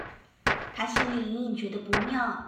她心裡隱隱覺得不妙